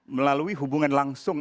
melalui hubungan langsung